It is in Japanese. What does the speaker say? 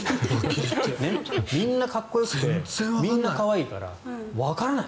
みんなかっこよくてみんな可愛いからわからない。